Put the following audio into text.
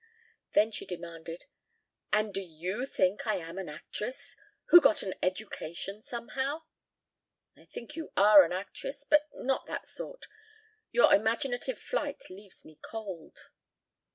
Then she demanded: "And do you think I am an actress who got an education somehow?" "I think you are an actress, but not that sort. Your imaginative flight leaves me cold."